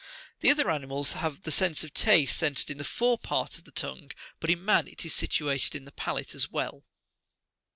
The other animals have the sense of taste centred in the fore part of the tongue ; but in man it is situate in the palate as well.